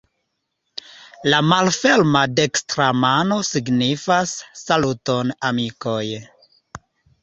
La malferma dekstra mano signifas "Saluton amikoj!